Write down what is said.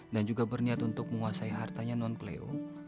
dan juga berniat untuk menguasai hartanya non cleo